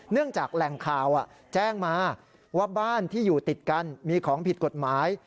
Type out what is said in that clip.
จากแหล่งข่าวแจ้งมาว่าบ้านที่อยู่ติดกันมีของผิดกฎหมาย